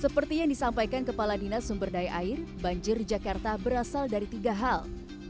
seperti yang disampaikan kepala dinas sumberdaya air banjir jakarta berasal dari tiga hal